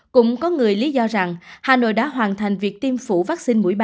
cũng có người lý do rằng hà nội đã hoàn thành việc tiêm phủ vaccine mũi ba